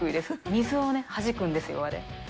水をはじくんですよ、あれ。